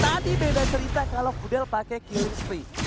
tadi beda cerita kalau fudolwo pakai killing spree